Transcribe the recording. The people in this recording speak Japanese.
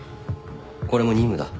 これも任務だ。